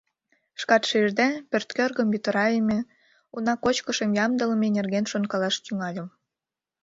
Шкат шижде, пӧрткӧргым йытырайыме, уна кочкышым ямдылыме нерген шонкалаш тӱҥальым.